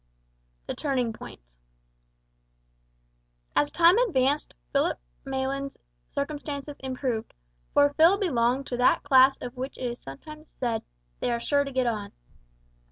THE TURNING POINT. As time advanced Philip Maylands' circumstances improved, for Phil belonged to that class of which it is sometimes said "they are sure to get on."